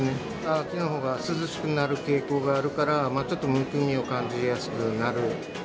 秋のほうが涼しくなる傾向があるから、ちょっとむくみを感じやすくなる。